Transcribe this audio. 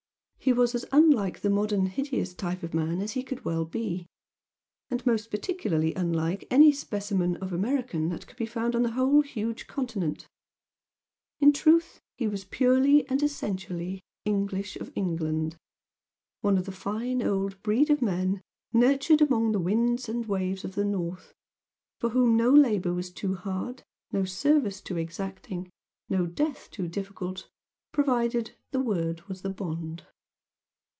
He was as unlike the modern hideous type of man as he could well be, and most particularly unlike any specimen of American that could be found on the whole huge continent. In truth he was purely and essentially English of England, one of the fine old breed of men nurtured among the winds and waves of the north, for whom no labour was too hard, no service too exacting, no death too difficult, provided "the word was the bond."